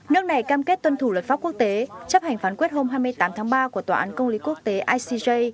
nước này cam kết tuân thủ luật pháp quốc tế chấp hành phán quyết hôm hai mươi tám tháng ba của tòa án công lý quốc tế icj